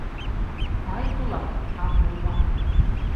Тай тулап, ат булмаҫ.